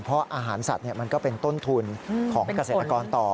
เพราะอาหารสัตว์มันก็เป็นต้นทุนของเกษตรกรต่อ